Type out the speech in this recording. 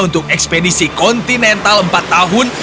untuk ekspedisi kontinental empat tahun